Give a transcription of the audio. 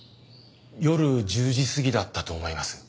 夜１０時過ぎだったと思います。